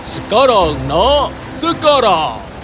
sekarang ya sekarang